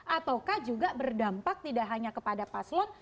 ataukah juga berdampak tidak hanya kepada paslon